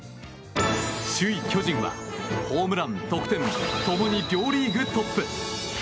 首位、巨人はホームラン、得点共に両リーグトップ。